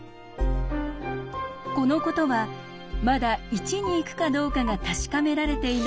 このことはまだ１に行くかどうかが確かめられていない